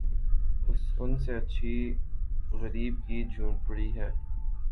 ان سے اچھی غریبِ کی جھونپڑی ہے